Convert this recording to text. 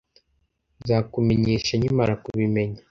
Nzakumenyesha nkimara kubimenya.